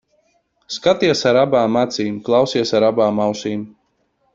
Skaties ar abām acīm, klausies ar abām ausīm.